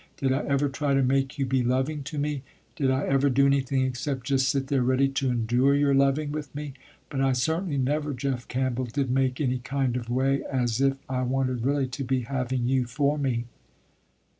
Did I ever try to make you be loving to me. Did I ever do nothing except just sit there ready to endure your loving with me. But I certainly never, Jeff Campbell, did make any kind of way as if I wanted really to be having you for me."